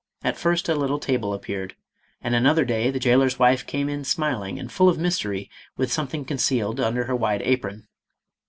At first a little table appeared, and another day the jailer's wife came in smiling and full of mystery with something conceal ed under her wide apron.